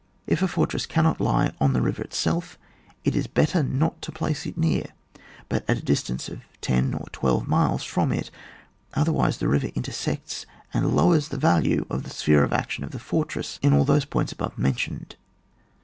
Jf a fortress cannot lie on the river it self, it is better not to place it near, but at a distance of ten or twelve miles from it; otherwise, the river intersects, and lowers the value of the sphere of action of the fortress in all those points above mentioned.